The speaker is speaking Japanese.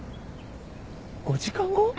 ５時間後！？